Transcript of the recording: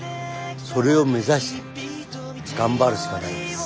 それを目指して頑張るしかないです。